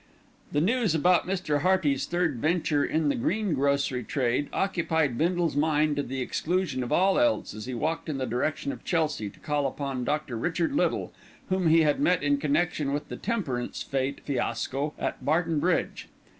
The news about Mr. Hearty's third venture in the greengrocery trade occupied Bindle's mind to the exclusion of all else as he walked in the direction of Chelsea to call upon Dr. Richard Little, whom he had met in connection with the Temperance Fête fiasco at Barton Bridge.